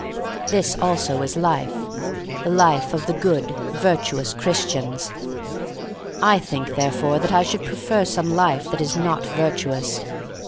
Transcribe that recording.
This also is life — the life of the good, virtuous Christians. I think, therefore, that I should pre fer some life that is not virtuous.